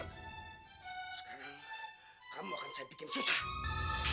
sekarang kamu akan saya bikin susah